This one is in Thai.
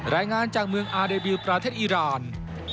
รายงานจากเมืองอาเดบิลประเทศอีราน